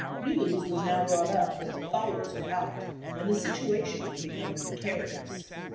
News was now brought up that the fires were out, and the situation was becoming precarious.